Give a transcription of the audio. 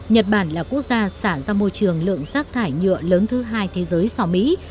nhật bản là quốc gia sản ra môi trường lượng rắc thải nhựa lớn thứ hai thế giới so với mỹ